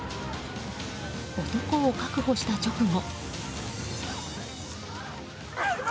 男を確保した直後。